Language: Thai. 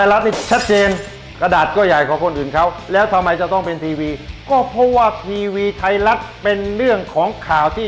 รับข่าวไทยรัฐได้